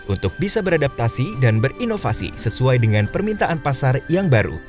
untuk bisa beradaptasi dan berinovasi sesuai dengan permintaan pasar yang baru